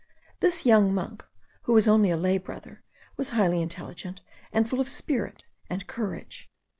This young monk, who was only a lay brother, was highly intelligent, and full of spirit and courage.